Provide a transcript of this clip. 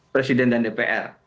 presiden dan dpr